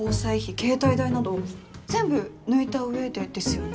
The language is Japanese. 携帯代など全部抜いた上でですよね？